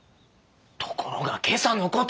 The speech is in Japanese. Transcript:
ところが今朝の事。